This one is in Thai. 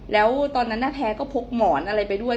แล้วตอนนั้นแพ้ก็พกหมอนอะไรไปด้วย